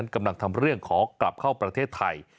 กำลังทำเรื่องขอกลับเข้าประเทศไทย